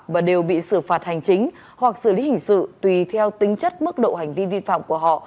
và đều bị xử phạt hành chính hoặc xử lý hình sự tùy theo tính chất mức độ hành vi vi phạm của họ